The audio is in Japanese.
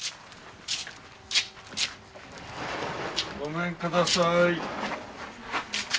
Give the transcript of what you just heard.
ごめんください。